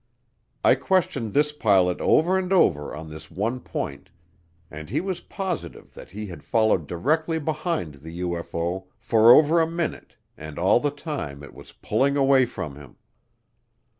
I questioned this pilot over and over on this one point, and he was positive that he had followed directly behind the UFO for over a minute and all the time it was pulling away from him.